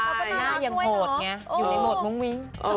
หน้าอย่างโหดไงอยู่ในโหมดมุ้งวิ้ง